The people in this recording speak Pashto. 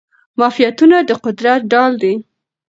معافیتونه د قدرت ډال دي.